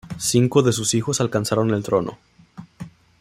Cinco de sus hijos alcanzaron el trono.